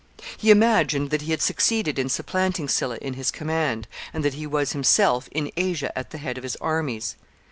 He imagined that he had succeeded in supplanting Sylla in his command, and that he was himself in Asia at the head of his armies.